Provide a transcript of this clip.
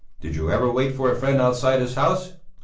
Did you ever wait for a friend outside his house?